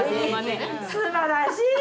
すばらしい！